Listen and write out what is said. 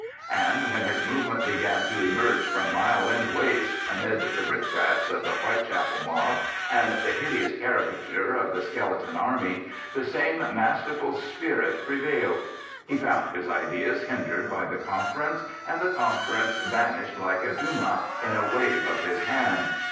And when his movement began to emerge from Mile End Waste, amid the brickbats of the White chapel mob and the hideous caricature of the Skeleton Army, the same masterful spirit prevailed. He found his ideas hindered by the conference, and the con ference vanished like a Duma at a wave of his hand.